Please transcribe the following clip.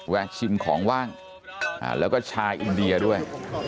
ชิมของว่างแล้วก็ชาวอินเดียด้วย